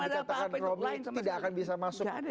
yang dikatakan romo tidak akan bisa masuk